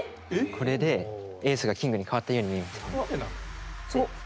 これでエースがキングに変わったように見えるんですよ。